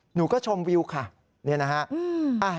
หนูก็ชมวิวค่ะนี่นะฮะ